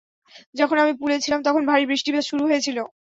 যখন আমি পুলে ছিলাম তখন ভারী বৃষ্টিপাত শুরু হয়েছিল।